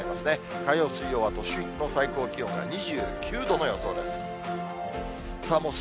火曜、水曜は都心の最高気温が２９度の予想です。